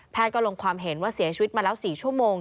ก็ลงความเห็นว่าเสียชีวิตมาแล้ว๔ชั่วโมง